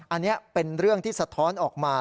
อันนี้เป็นเรื่องที่สะท้อนออกมา